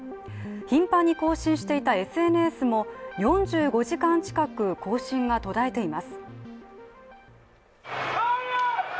頻繁に更新していたＳＮＳも４５時間近く更新が途絶えています。